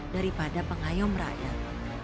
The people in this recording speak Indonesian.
daripada penghayom rakyat